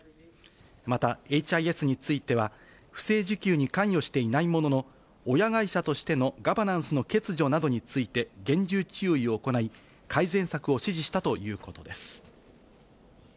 またエイチ・アイ・エスについては、不正受給に関与していないものの、親会社としてのガバナンスの欠如などについて厳重注意を行い、改善策を指示したということです。